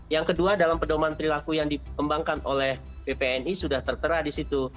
yang kedua dalam pedoman perilaku yang dikembangkan oleh bpni sudah tertera di situ